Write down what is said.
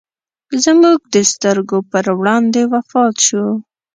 زموږ د سترګو پر وړاندې وفات شو.